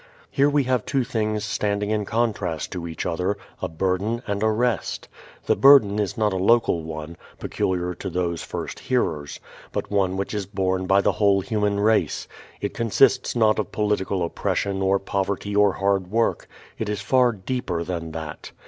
Here we have two things standing in contrast to each other, a burden and a rest. The burden is not a local one, peculiar to those first hearers, but one which is borne by the whole human race. It consists not of political oppression or poverty or hard work. It is far deeper than that.